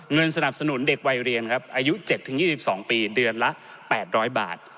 สนับสนุนเด็กวัยเรียนครับอายุ๗๒๒ปีเดือนละ๘๐๐บาท